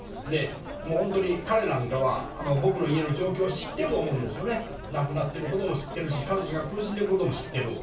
本当に、彼なんかは、僕の家を状況を知ってると思うんですよね、亡くなってることも知ってるし、彼女が苦しんでいることも知ってる。